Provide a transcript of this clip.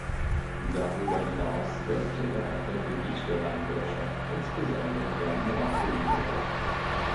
Darüber hinaus wirkte er auf dem Gebiet der Landwirtschaft, insbesondere der Moorkultivierung.